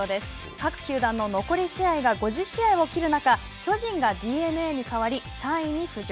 各球団の残り試合が５０試合を切る中、巨人がＤｅＮＡにかわり３位に浮上。